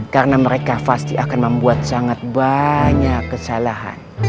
karena mereka pasti akan membuat sangat banyak kesalahan